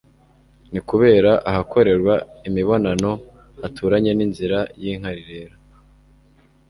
Ni Kubera ahakorerwa imibonano haturanye n'inzira y'inkari rero,